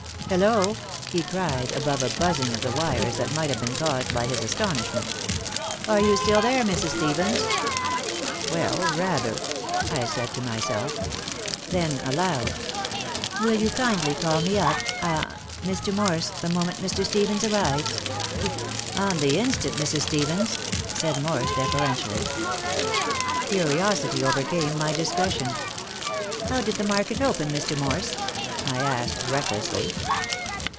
"Hello," he cried, above a buzzing of the wires that might have been caused by his astonishment. "Are you still there, Mrs. Stevens?" "Well, rather," I said to myself. Then aloud: "Will you kindly call me up ah Mr. Morse, the moment Mr. Stevens arrives?" "On the instant, Mrs. Stevens," said Morse, deferentially. Curiosity overcame my discretion. "How did the market open, Mr. Morse?" I asked, recklessly.